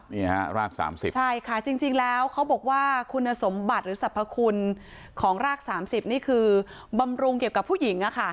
นี่ฮะราก๓๐ใช่ค่ะจริงแล้วเขาบอกว่าคุณสมบัติหรือสรรพคุณของราก๓๐นี่คือบำรุงเกี่ยวกับผู้หญิง